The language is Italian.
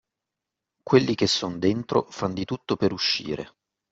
Quelli che son dentro, fan di tutto per uscire .